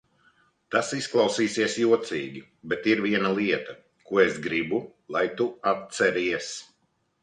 Tas izklausīsies jocīgi, bet ir viena lieta, ko es gribu, lai tu atceries.